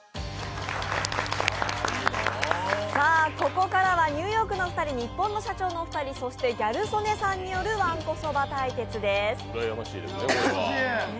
ここからはニューヨークのお二人、ニッポンの社長のお二人、そしてギャル曽根さんによるわんこそば対決です。